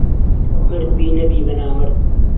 مەردبی نهبی به نامەرد